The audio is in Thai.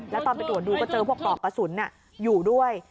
แล้วตอนไปตรวจดูก็เจอพวกปลอกกระสุนอยู่ด้วย